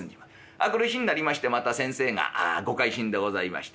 明くる日になりましてまた先生がご回診でございまして。